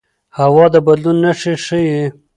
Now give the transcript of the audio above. هوا د بدلون نښې ښيي